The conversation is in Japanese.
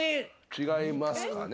違いますかね。